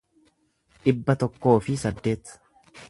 dhibba tokkoo fi saddeet